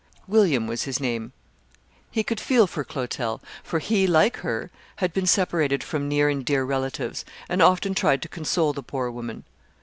William was his name. He could feel for Clotel, for he, like her, had been separated from near and dear relatives, and often tried to console the poor woman.